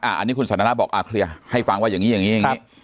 อ่ะอันนี้คุณสันทนาบอกอ่าเคลียร์ให้ฟังว่าอย่างนี้อย่างนี้อย่างนี้